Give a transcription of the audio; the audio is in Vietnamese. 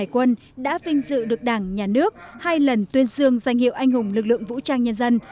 hai mươi quân đã vinh dự được đảng nhà nước hai lần tuyên dương danh hiệu anh hùng lực lượng vũ trang nhân dân